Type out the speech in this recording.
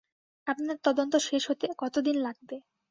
আপনার তদন্ত শেষ হতে কতদিন লাগবে?